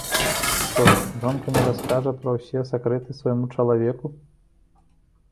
Што, жонка не раскажа пра ўсе сакрэты свайму чалавеку?